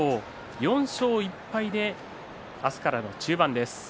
４勝１敗で明日からの中盤です。